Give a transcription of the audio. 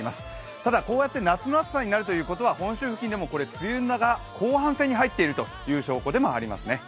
ただこうやって夏の暑さになるということは本州付近でも梅雨が後半戦に入っている証拠でもありますね。